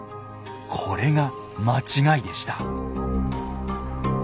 これが間違いでした。